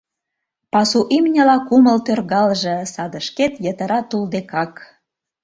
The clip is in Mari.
Пасу имньыла кумыл тӧргалже Саде шкет йытыра тул декак.